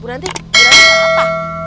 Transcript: bu ranti bu ranti apa